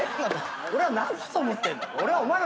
俺を何だと思ってんだ？